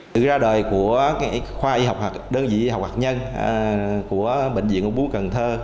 từ ra đời của khoa y học đơn vị y học hạt nhân của bệnh viện ung búa cần thơ